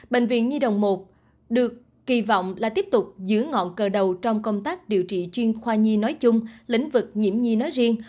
bệnh viện nhi đồng một được kỳ vọng là tiếp tục giữ ngọn cờ đầu trong công tác điều trị chuyên khoa nhi nói chung lĩnh vực nhiễm nhi nói riêng